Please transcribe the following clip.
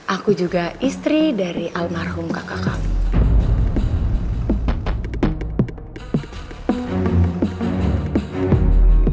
aku juga istri dari almarhum kakak kami